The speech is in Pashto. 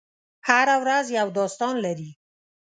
هره ورځ یو داستان لري.